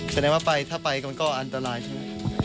แสดงว่าไปถ้าไปก็อันตรายใช่ไหมครับ